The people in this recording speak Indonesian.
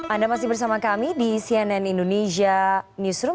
anda masih bersama kami di cnn indonesia newsroom